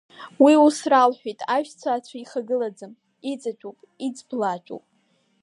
Уи ус ралҳәеит аҩсҭаацәа ихагылаӡам, иҵатәоуп, иҵблаатәуп.